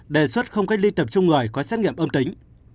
đề xuất không cách ly tập trung người có xét nghiệm âm tính